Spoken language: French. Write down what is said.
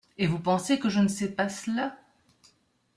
Et vous pensez que je ne sais pas cela ?